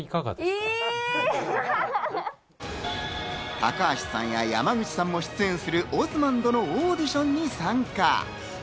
高橋さんや山口さんも出演するＯＳＭＡＮＤのオーディションに参加。